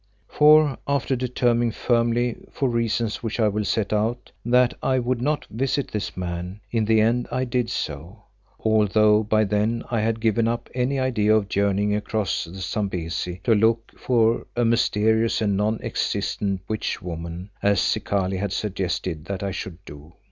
For, after determining firmly, for reasons which I will set out, that I would not visit this man, in the end I did so, although by then I had given up any idea of journeying across the Zambesi to look for a mysterious and non existent witch woman, as Zikali had suggested that I should do.